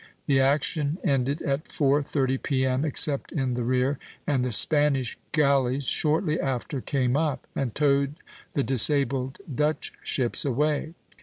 The action ended at 4.30 P.M., except in the rear, and the Spanish galleys shortly after came up and towed the disabled Dutch ships away.